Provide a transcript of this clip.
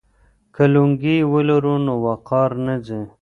که لونګۍ ولرو نو وقار نه ځي.